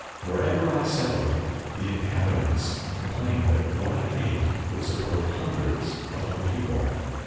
Wherever I settled, the inhabitants complained that what I ate would support hundreds of other people."